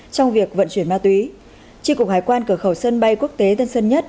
trong việc vận chuyển ma túy tri cục hải quan cửa khẩu sân bay quốc tế tân sơn nhất